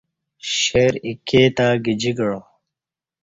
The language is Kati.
شیر ایکے تہ گیجی کعا